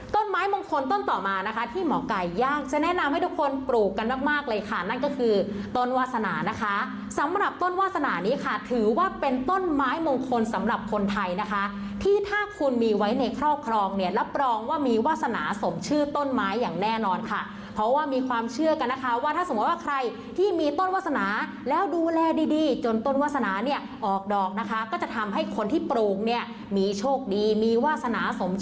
ต้นไม้มงคลต้นต่อมานะคะที่หมอก่ายย่างจะแนะนำให้ทุกคนปลูกกันมากเลยค่ะนั่นก็คือต้นวาสนานะคะสำหรับต้นวาสนานี้ค่ะถือว่าเป็นต้นไม้มงคลสำหรับคนไทยนะคะที่ถ้าคุณมีไว้ในครอบครองเนี่ยรับปรองว่ามีวาสนาสมชื่อต้นไม้อย่างแน่นอนค่ะเพราะว่ามีความเชื่อกันนะคะว่าถ้าสมมติว่าใครที่มีต้นวาสนา